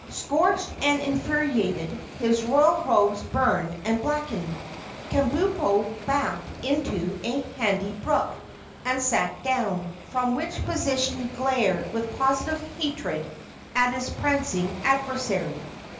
Scorched and infuriated, his royal robes burned and blackened, Kabumpo backed into a handy brook and sat down, from which position he glared with positive hatred at his prancing adversary.